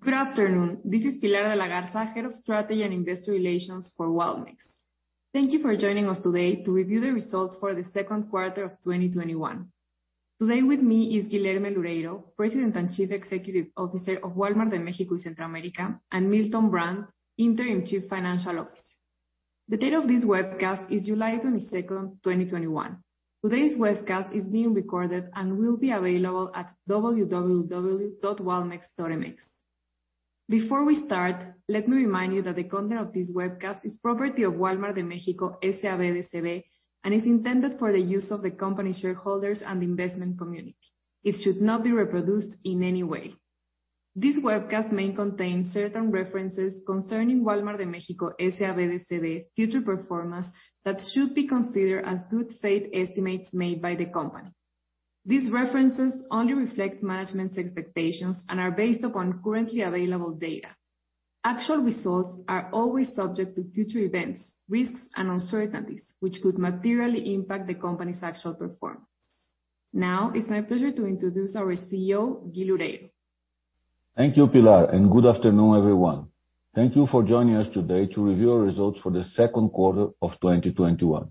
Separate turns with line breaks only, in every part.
Good afternoon. This is Pilar de la Garza, Head of Strategy and Investor Relations for Walmex. Thank you for joining us today to review the results for the second quarter of 2021. Today with me is Guilherme Loureiro, President and Chief Executive Officer of Wal-Mart de México y Centroamérica, and Milton Brandt, Interim Chief Financial Officer. The date of this webcast is July 22nd, 2021. Today's webcast is being recorded and will be available at www.walmex.mx. Before we start, let me remind you that the content of this webcast is property of Wal-Mart de México, S.A.B. de C.V., and is intended for the use of the company shareholders and investment community. It should not be reproduced in any way. This webcast may contain certain references concerning Wal-Mart de México, S.A.B. de C.V. future performance that should be considered as good faith estimates made by the company. These references only reflect management's expectations and are based upon currently available data. Actual results are always subject to future events, risks, and uncertainties, which could materially impact the company's actual performance. It's my pleasure to introduce our CEO, Gui Loureiro.
Thank you, Pilar, and good afternoon, everyone. Thank you for joining us today to review our results for the second quarter of 2021.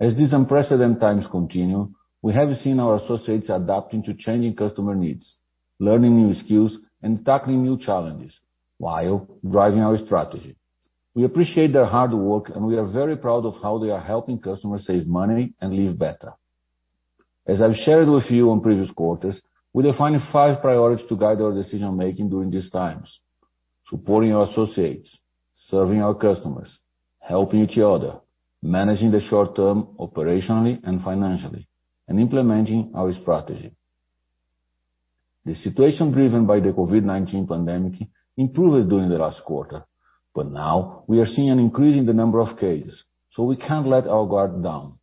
As these unprecedented times continue, we have seen our associates adapting to changing customer needs, learning new skills, and tackling new challenges while driving our strategy. We appreciate their hard work, and we are very proud of how they are helping customers save money and live better. As I've shared with you in previous quarters, we defined five priorities to guide our decision-making during these times: supporting our associates, serving our customers, helping each other, managing the short term operationally and financially, and implementing our strategy. The situation driven by the COVID-19 pandemic improved during the last quarter, but now we are seeing an increase in the number of cases, so we can't let our guard down.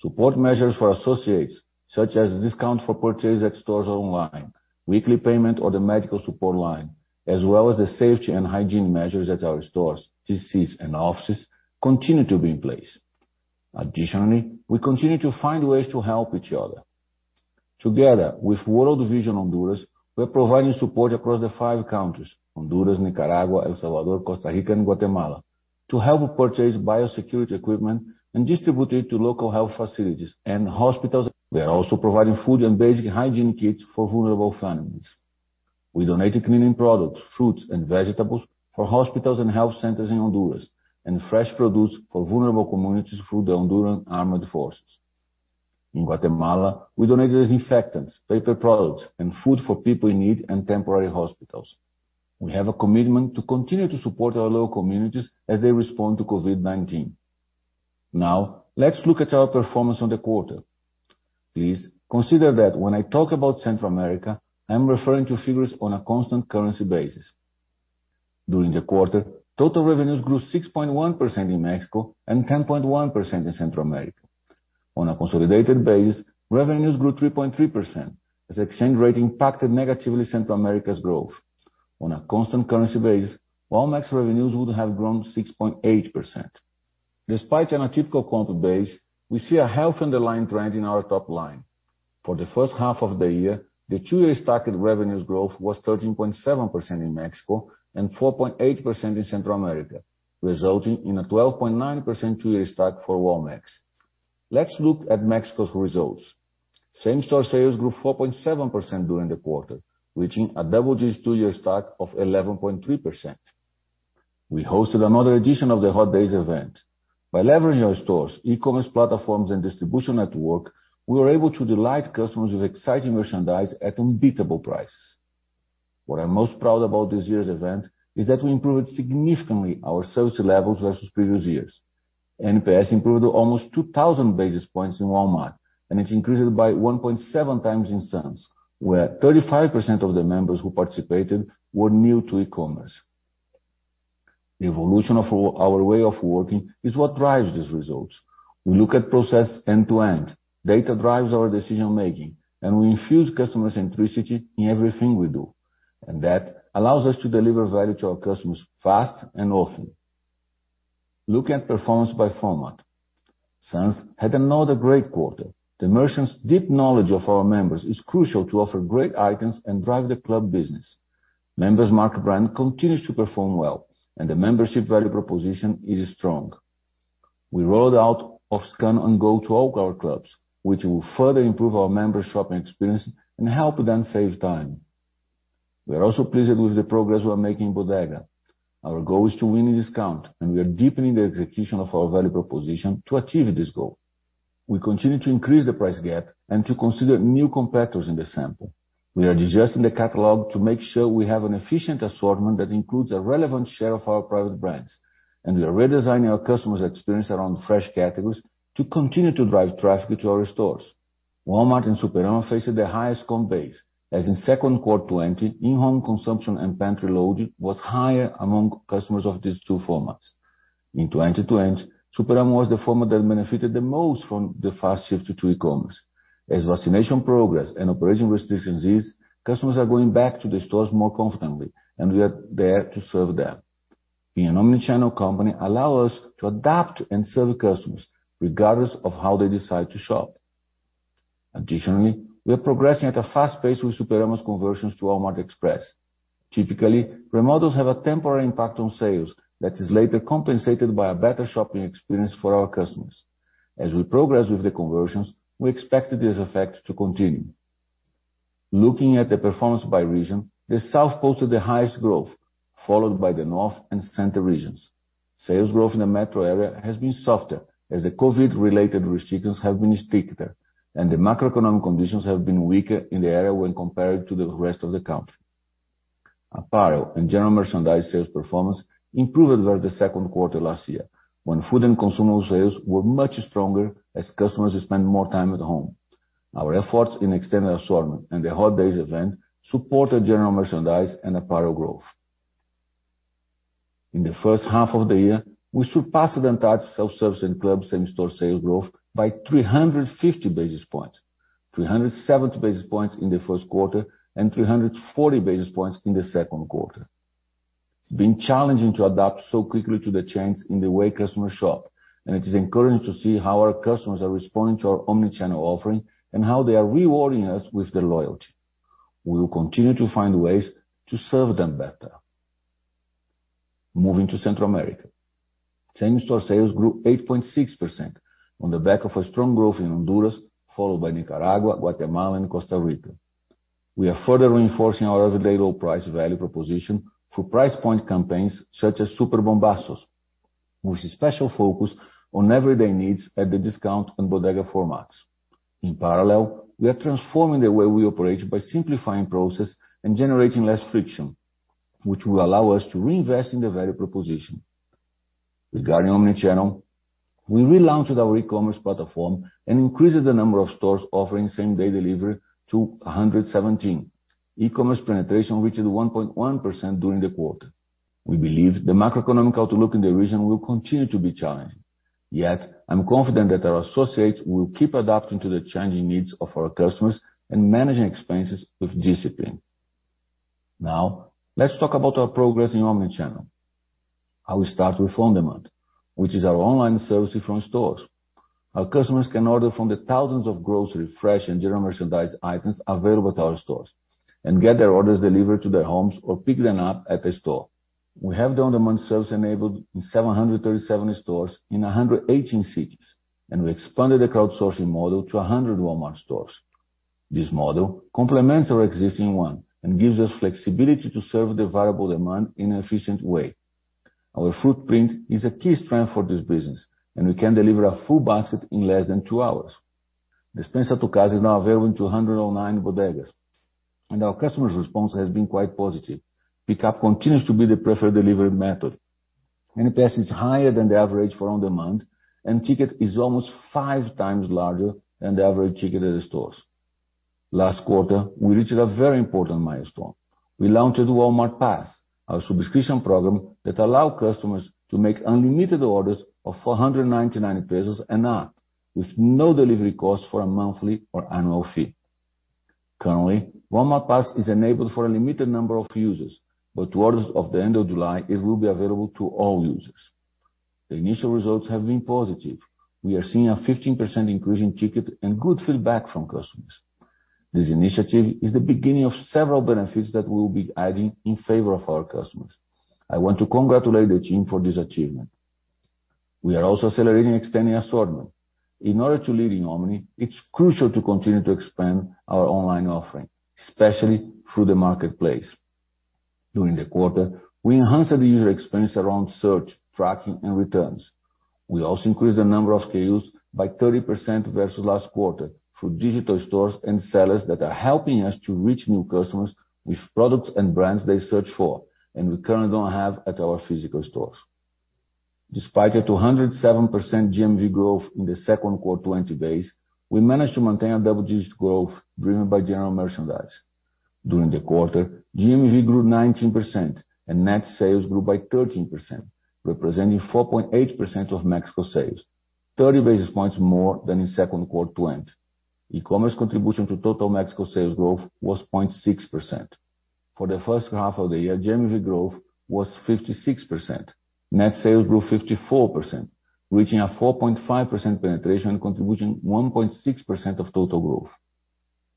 Support measures for associates, such as discount for purchase at stores online, weekly payment or the medical support line, as well as the safety and hygiene measures at our stores, DCs, and offices, continue to be in place. Additionally, we continue to find ways to help each other. Together with World Vision Honduras, we're providing support across the five countries, Honduras, Nicaragua, El Salvador, Costa Rica, and Guatemala, to help purchase biosecurity equipment and distribute it to local health facilities and hospitals. We are also providing food and basic hygiene kits for vulnerable families. We donated cleaning products, fruits, and vegetables for hospitals and health centers in Honduras, and fresh produce for vulnerable communities through the Honduran Armed Forces. In Guatemala, we donated disinfectants, paper products, and food for people in need and temporary hospitals. We have a commitment to continue to support our local communities as they respond to COVID-19. Now, let's look at our performance on the quarter. Please consider that when I talk about Central America, I'm referring to figures on a constant currency basis. During the quarter, total revenues grew 6.1% in Mexico and 10.1% in Central America. On a consolidated basis, revenues grew 3.3% as exchange rate impacted negatively Central America's growth. On a constant currency basis, Walmex revenues would have grown 6.8%. Despite an atypical comp base, we see a healthy underlying trend in our top line. For the first half of the year, the two-year stacked revenues growth was 13.7% in Mexico and 4.8% in Central America, resulting in a 12.9% two-year stack for Walmex. Let's look at Mexico's results. Same-store sales grew 4.7% during the quarter, reaching a double-digit two-year stack of 11.3%. We hosted another edition of the Hot Days event. By leveraging our stores, e-commerce platforms, and distribution network, we were able to delight customers with exciting merchandise at unbeatable prices. What I'm most proud about this year's event is that we improved significantly our service levels versus previous years. NPS improved almost 2,000 basis points in Wal-Mart, and it increased by 1.7x in Sam's, where 35% of the members who participated were new to e-commerce. Evolution of our way of working is what drives these results. We look at process end to end, data drives our decision making, and we infuse customer centricity in everything we do. That allows us to deliver value to our customers fast and often. Looking at performance by format. Sam's had another great quarter. The merchants' deep knowledge of our members is crucial to offer great items and drive the club business. Member's Mark brand continues to perform well, and the membership value proposition is strong. We rolled out Scan & Go to all our clubs, which will further improve our members' shopping experience and help them save time. We are also pleased with the progress we're making in Bodega. Our goal is to win in discount, and we are deepening the execution of our value proposition to achieve this goal. We continue to increase the price gap and to consider new competitors in the sample. We are digesting the catalog to make sure we have an efficient assortment that includes a relevant share of our private brands, and we are redesigning our customer's experience around fresh categories to continue to drive traffic to our stores. Walmart and Superama faces the highest comp base, as in second quarter 2020, in-home consumption and pantry loading was higher among customers of these two formats. In 2020, Superama was the format that benefited the most from the fast shift to e-commerce. As vaccination progress and operating restrictions ease, customers are going back to the stores more confidently, and we are there to serve them. Being an omni-channel company allows us to adapt and serve customers regardless of how they decide to shop. Additionally, we are progressing at a fast pace with Superama's conversions to Walmart Express. Typically, remodels have a temporary impact on sales that is later compensated by a better shopping experience for our customers. As we progress with the conversions, we expect this effect to continue. Looking at the performance by region, the South posted the highest growth, followed by the North and Center regions. Sales growth in the metro area has been softer as the COVID-related restrictions have been stricter, and the macroeconomic conditions have been weaker in the area when compared to the rest of the country. Apparel and general merchandise sales performance improved over the second quarter last year, when food and consumable sales were much stronger as customers spent more time at home. Our efforts in extending assortment and the Hot Days event supported general merchandise and apparel growth. In the first half of the year, we surpassed ANTAD's self-service and club same-store sales growth by 350 basis points, 370 basis points in the first quarter, and 340 basis points in the second quarter. It's been challenging to adapt so quickly to the change in the way customers shop, and it is encouraging to see how our customers are responding to our omni-channel offering and how they are rewarding us with their loyalty. We will continue to find ways to serve them better. Moving to Central America. Same-store sales grew 8.6% on the back of a strong growth in Honduras, followed by Nicaragua, Guatemala, and Costa Rica. We are further reinforcing our everyday low price value proposition through price point campaigns such as Súper Bombazos, with a special focus on everyday needs at the Discount and Bodega formats. In parallel, we are transforming the way we operate by simplifying process and generating less friction, which will allow us to reinvest in the value proposition. Regarding omni-channel, we relaunched our e-commerce platform and increased the number of stores offering same-day delivery to 117. E-commerce penetration reached 1.1% during the quarter. We believe the macroeconomic outlook in the region will continue to be challenging. I'm confident that our associates will keep adapting to the changing needs of our customers and managing expenses with discipline. Let's talk about our progress in omni-channel. I will start with On Demand, which is our online service different stores. Our customers can order from the thousands of grocery, fresh, and general merchandise items available at our stores and get their orders delivered to their homes or pick them up at a store. We have the On Demand service enabled in 737 stores in 118 cities, and we expanded the crowdsourcing model to 100 Walmart stores. This model complements our existing one and gives us flexibility to serve the variable demand in an efficient way. Our footprint is a key strength for this business, and we can deliver a full basket in less than two hours. Despensa a tu Casa is now available in 209 Bodegas, and our customers' response has been quite positive. Pickup continues to be the preferred delivery method. NPS is higher than the average for On Demand, and ticket is almost five times larger than the average ticket at the stores. Last quarter, we reached a very important milestone. We launched Walmart Pass, our subscription program that allow customers to make unlimited orders of 499 pesos and up, with no delivery cost for a monthly or annual fee. Currently, Walmart Pass is enabled for a limited number of users, but towards the end of July, it will be available to all users. The initial results have been positive. We are seeing a 15% increase in ticket and good feedback from customers. This initiative is the beginning of several benefits that we'll be adding in favor of our customers. I want to congratulate the team for this achievement. We are also celebrating extending assortment. In order to lead in omni, it's crucial to continue to expand our online offering, especially through the marketplace. During the quarter, we enhanced the user experience around search, tracking, and returns. We also increased the number of SKUs by 30% versus last quarter through digital stores and sellers that are helping us to reach new customers with products and brands they search for and we currently don't have at our physical stores. Despite a 207% GMV growth in the second quarter 2020 base, we managed to maintain a double-digit growth driven by general merchandise. During the quarter, GMV grew 19% and net sales grew by 13%, representing 4.8% of Mexico sales, 30 basis points more than in second quarter 2020. E-commerce contribution to total Mexico sales growth was 0.6%. For the first half of the year, GMV growth was 56%. Net sales grew 54%, reaching a 4.5% penetration contribution, 1.6% of total growth.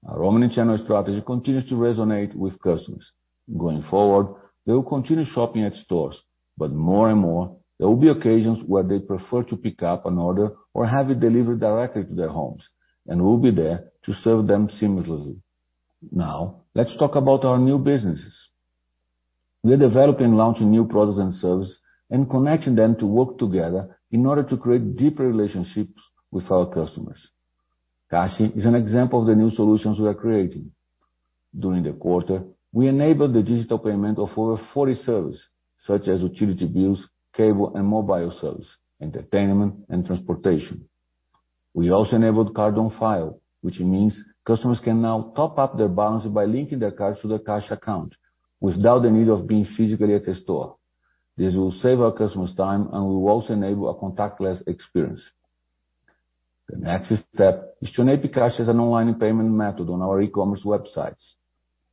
Our omni-channel strategy continues to resonate with customers. Going forward, they will continue shopping at stores, but more and more, there will be occasions where they prefer to pick up an order or have it delivered directly to their homes, and we'll be there to serve them seamlessly. Now, let's talk about our new businesses. We're developing and launching new products and services and connecting them to work together in order to create deeper relationships with our customers. Cashi is an example of the new solutions we are creating. During the quarter, we enabled the digital payment of over 40 services, such as utility bills, cable and mobile service, entertainment, and transportation. We also enabled card on file, which means customers can now top up their balance by linking their cards to their Cashi account without the need of being physically at a store. This will save our customers time, and we will also enable a contactless experience. The next step is to enable cash as an online payment method on our e-commerce websites.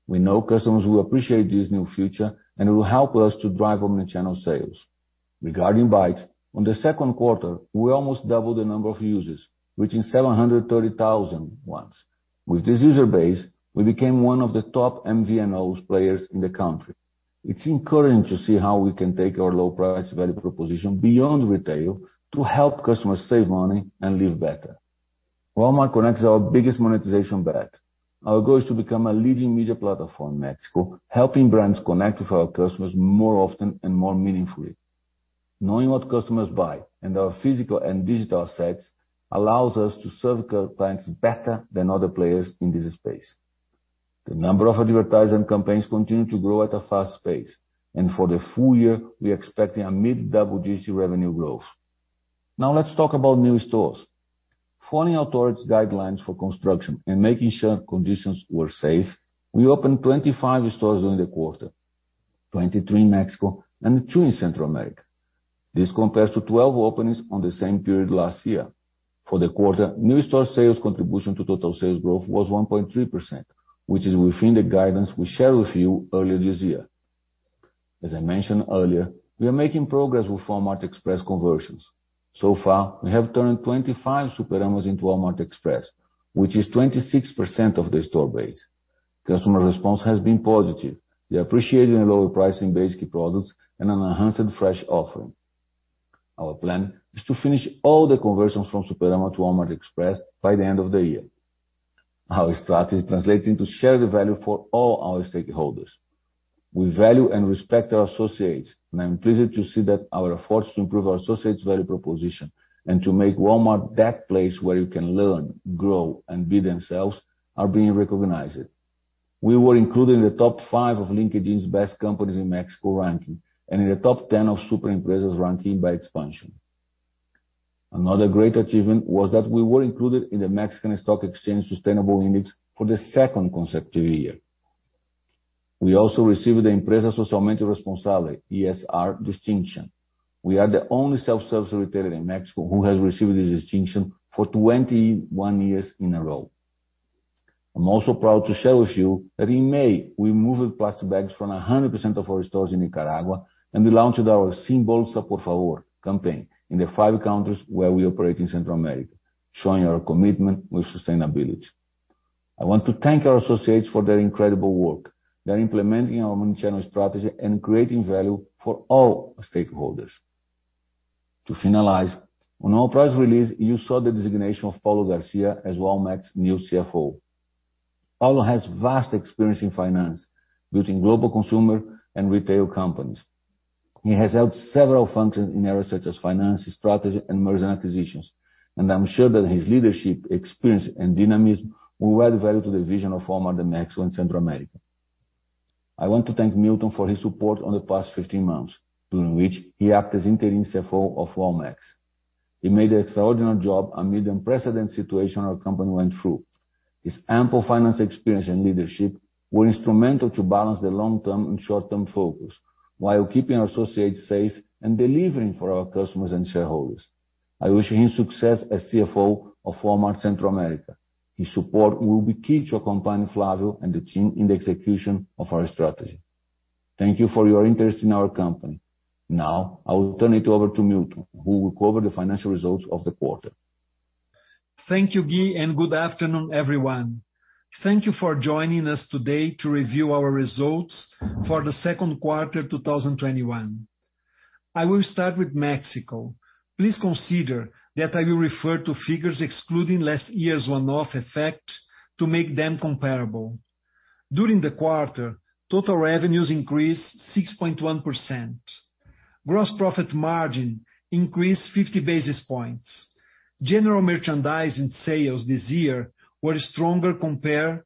We know customers will appreciate this new feature, and it will help us to drive omni-channel sales. Regarding Bait, on the second quarter, we almost doubled the number of users, reaching 730,000. With this user base, we became one of the top MVNOs players in the country. It's encouraging to see how we can take our low price value proposition beyond retail to help customers save money and live better. Walmart Connect is our biggest monetization bet. Our goal is to become a leading media platform in Mexico, helping brands connect with our customers more often and more meaningfully. Knowing what customers buy in our physical and digital assets allows us to serve clients better than other players in this space. The number of advertising campaigns continue to grow at a fast pace, and for the full year, we're expecting a mid to double-digit revenue growth. Now let's talk about new stores. Following authorities' guidelines for construction and making sure conditions were safe, we opened 25 stores during the quarter, 23 in Mexico and two in Central America. This compares to 12 openings on the same period last year. For the quarter, new store sales contribution to total sales growth was 1.3%, which is within the guidance we shared with you earlier this year. As I mentioned earlier, we are making progress with Walmart Express conversions. So far, we have turned 25 Superamas into Walmart Express, which is 26% of the store base. Customer response has been positive. We are appreciating a lower price in basic products and an enhanced fresh offering. Our plan is to finish all the conversions from Superama to Walmart Express by the end of the year. Our strategy is translating to share the value for all our stakeholders. We value and respect our associates, and I'm pleased to see that our efforts to improve our associates' value proposition and to make Walmart that place where you can learn, grow, and be themselves are being recognized. We were included in the top five of LinkedIn's best companies in Mexico ranking and in the top 10 of Súper Empresas ranking by Expansión. Another great achievement was that we were included in the Mexican Stock Exchange Sustainable Index for the second consecutive year. We also received the Empresa Socialmente Responsable, ESR, distinction. We are the only self-service retailer in Mexico who has received this distinction for 21 years in a row. I'm also proud to share with you that in May, we removed plastic bags from 100% of our stores in Nicaragua, and we launched our Sin bolsa por favor campaign in the five countries where we operate in Central America, showing our commitment with sustainability. I want to thank our associates for their incredible work. They're implementing our omni-channel strategy and creating value for all stakeholders. To finalize, on our press release, you saw the designation of Paulo Garcia as Walmex new CFO. Paulo has vast experience in finance, building global consumer and retail companies. He has held several functions in areas such as finance, strategy, and merger and acquisitions. I'm sure that his leadership, experience, and dynamism will add value to the vision of Wal-Mart de México y Centroamérica. I want to thank Milton for his support on the past 15 months, during which he acted as interim CFO of Walmex. He made an extraordinary job amid the unprecedented situation our company went through. His ample finance experience and leadership were instrumental to balance the long-term and short-term focus while keeping our associates safe and delivering for our customers and shareholders. I wish him success as CFO of Walmart Central America. His support will be key to accompanying Flavio and the team in the execution of our strategy. Thank you for your interest in our company. I will turn it over to Milton, who will cover the financial results of the quarter.
Thank you, Gui, and good afternoon, everyone. Thank you for joining us today to review our results for the second quarter 2021. I will start with Mexico. Please consider that I will refer to figures excluding last year's one-off effect to make them comparable. During the quarter, total revenues increased 6.1%. Gross profit margin increased 50 basis points. General merchandise and sales this year were stronger compared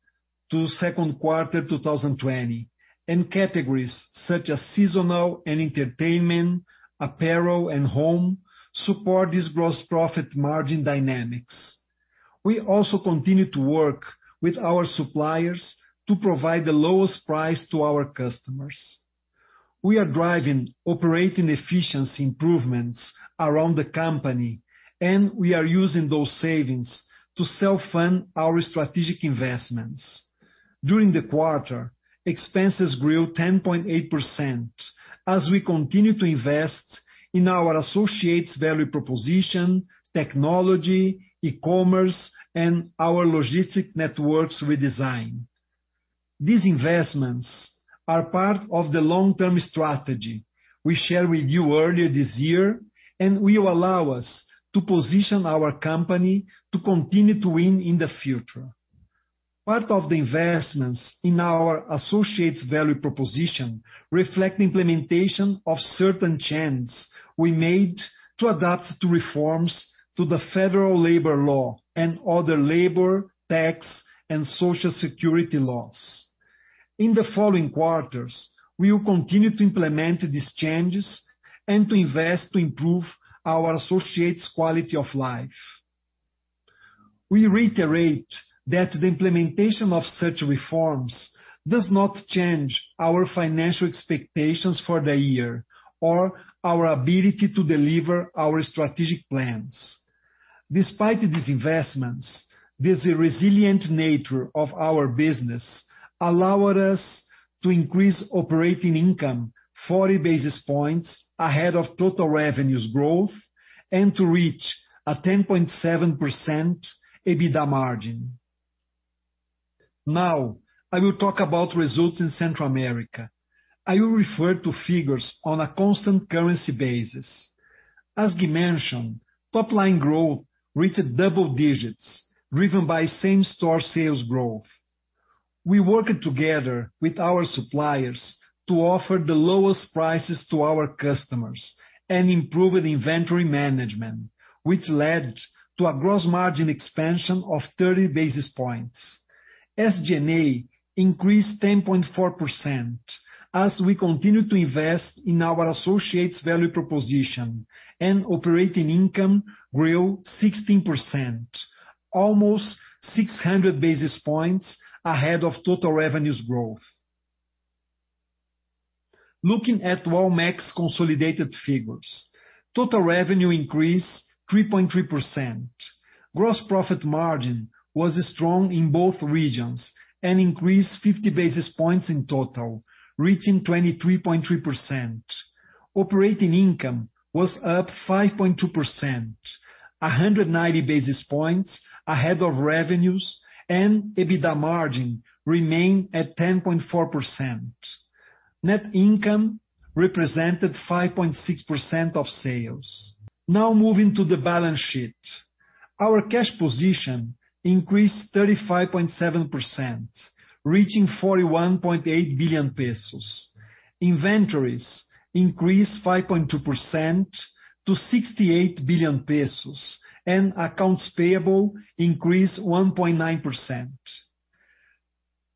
to second quarter 2020, and categories such as seasonal and entertainment, apparel, and home support this gross profit margin dynamics. We also continue to work with our suppliers to provide the lowest price to our customers. We are driving operating efficiency improvements around the company, and we are using those savings to self-fund our strategic investments. During the quarter, expenses grew 10.8% as we continue to invest in our associates' value proposition, technology, e-commerce, and our logistic networks redesign. These investments are part of the long-term strategy we shared with you earlier this year and will allow us to position our company to continue to win in the future. Part of the investments in our associates' value proposition reflect the implementation of certain changes we made to adapt to reforms to the Federal Labor Law and other labor, tax, and social security laws. In the following quarters, we will continue to implement these changes and to invest to improve our associates' quality of life. We reiterate that the implementation of such reforms does not change our financial expectations for the year or our ability to deliver our strategic plans. Despite these investments, the resilient nature of our business allowed us to increase operating income 40 basis points ahead of total revenues growth and to reach a 10.7% EBITDA margin. Now I will talk about results in Central America. I will refer to figures on a constant currency basis. As Gui mentioned, top-line growth reached double digits driven by same-store sales growth. We worked together with our suppliers to offer the lowest prices to our customers and improved inventory management, which led to a gross margin expansion of 30 basis points. SG&A increased 10.4% as we continue to invest in our associates' value proposition and operating income grew 16%, almost 600 basis points ahead of total revenues growth. Looking at Walmex consolidated figures, total revenue increased 3.3%. Gross profit margin was strong in both regions and increased 50 basis points in total, reaching 23.3%. Operating income was up 5.2%, 190 basis points ahead of revenues and EBITDA margin remained at 10.4%. Net income represented 5.6% of sales. Now moving to the balance sheet. Our cash position increased 35.7%, reaching 41.8 billion pesos. Inventories increased 5.2% to 68 billion pesos. Accounts payable increased 1.9%.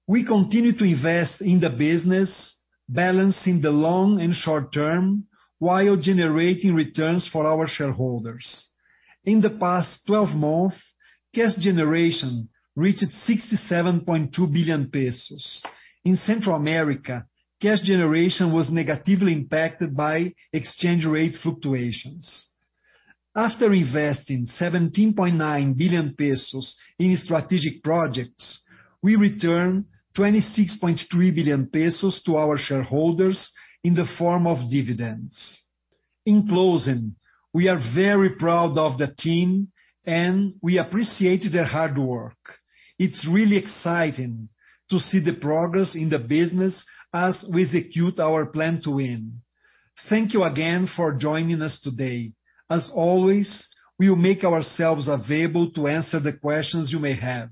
We continue to invest in the business, balancing the long and short term while generating returns for our shareholders. In the past 12 months, cash generation reached 67.2 billion pesos. In Central America, cash generation was negatively impacted by exchange rate fluctuations. After investing 17.9 billion pesos in strategic projects, we returned 26.3 billion pesos to our shareholders in the form of dividends. In closing, we are very proud of the team and we appreciate their hard work. It's really exciting to see the progress in the business as we execute our plan to win. Thank you again for joining us today. As always, we will make ourselves available to answer the questions you may have.